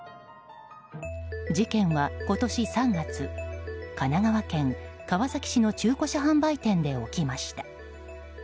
事件は今年３月神奈川県川崎市の中古車販売店で起きました。